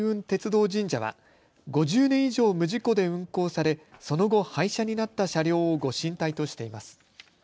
鐵道神社は５０年以上、無事故で運行されその後廃車になった車両をご神体としています。